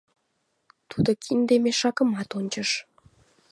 Тудо кинде мешакымат ончыш.